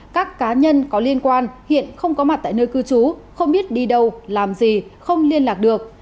các cá nhân có liên quan hiện không có mặt tại nơi cư trú không biết đi đâu làm gì không liên lạc được